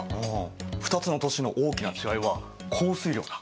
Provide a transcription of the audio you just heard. ２つの都市の大きな違いは降水量だ。